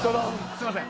すいません。